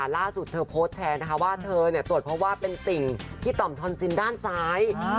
ล่าสุดเธอโพสต์แชร์นะคะว่าเธอตรวจเพราะว่าเป็นติ่งพี่ต่อมทอนซินด้านซ้าย